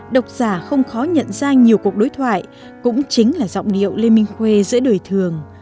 độc giả không khó nhận ra nhiều cuộc đối thoại cũng chính là giọng điệu lê minh khuê giữa đời thường